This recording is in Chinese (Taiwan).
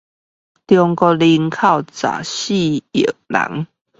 中國人口十四億人